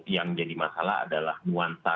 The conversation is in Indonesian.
yang jadi masalah adalah nuansa